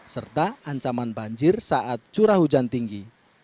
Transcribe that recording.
serta ancaman banjir saat curah hujan tinggi